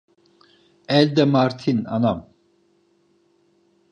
Elde martin anam.